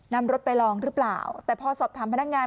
นำรถไปลองหรือเปล่าแต่พอสอบถามพนักงาน